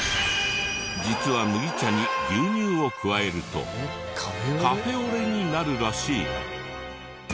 実は麦茶に牛乳を加えるとカフェオレになるらしい。